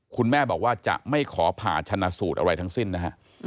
คุณแม่บอกว่าจะไม่ขอผ่าชนะสูตรอะไรทั้งสิ้นนะฮะ